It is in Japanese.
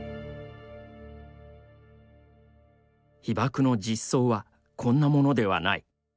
「被爆の実相はこんなものではない。